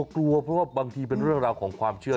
กลัวเพราะว่าบางทีเป็นเรื่องราวของความเชื่อ